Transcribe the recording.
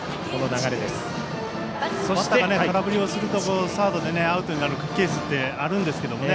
バッターが空振りするとサードでアウトになるケースってあるんですがね。